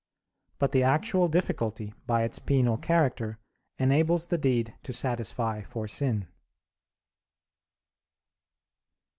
But the actual difficulty, by its penal character, enables the deed to satisfy for sin.